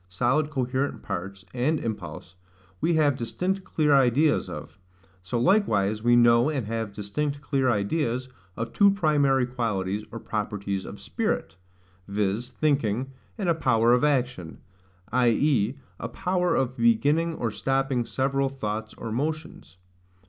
solid coherent parts and impulse, we have distinct clear ideas of: so likewise we know, and have distinct clear ideas, of two primary qualities or properties of spirit, viz. thinking, and a power of action; i.e. a power of beginning or stopping several thoughts or motions.